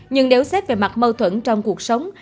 nhưng nếu xét về mặt mâu thuẫn trong cuộc sống